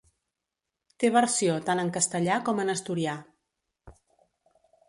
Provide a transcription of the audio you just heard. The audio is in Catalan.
Té versió tant en castellà com en asturià.